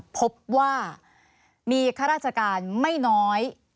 พบว่ามีข้าราชการไม่น้อย